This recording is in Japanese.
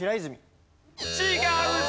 違うぞ！